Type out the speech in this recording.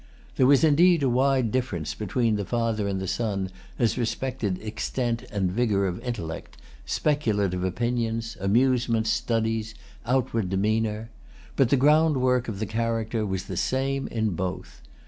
There was indeed a wide difference between the father and the son as respected extent and vigor of intellect, speculative opinions, amusements, studies, outward demeanor. But the groundwork of the character was the same in both.